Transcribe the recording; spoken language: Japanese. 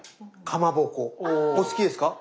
かまぼこお好きですか？